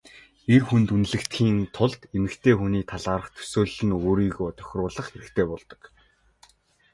Эр хүнд үнэлэгдэхийн тулд эмэгтэй хүний талаарх төсөөлөлд нь өөрийгөө тохируулах хэрэгтэй болдог.